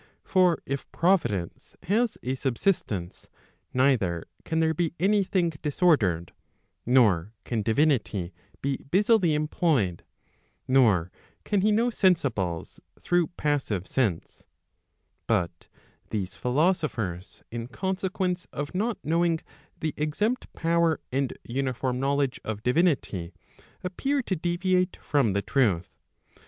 For if providence has a subsistence* neither can there be any thing disordered, nor can divinity be busily employed, nor can he know sensibles through passive sense: but these philosophers in consequence of not knowing the exempt power and uniform knowledge of divinity, appear to deviate from the truth.